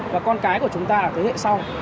và con cái của chúng ta là thế hệ sau